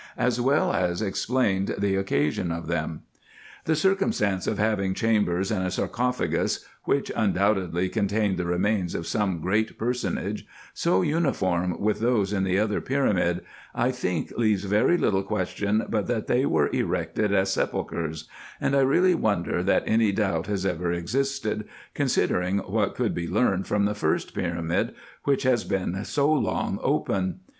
as well as explained the occasion of them. The circumstance of having chambers and a sarcophagus (which undoubtedly contained the remains of some great personage), so uniform with those in the other pyramid, I think leaves very little question, but that they were erected as sepulchres ; and I really wonder, that any doubt has ever existed, considering what could be learned from the first pyramid, which has been so long open.